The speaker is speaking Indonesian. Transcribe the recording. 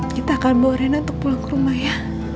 kita akan bawa rena untuk pulang ke rumah ya